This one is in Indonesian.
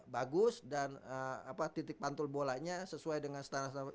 bagus dan titik pantul bolanya sesuai dengan standar standar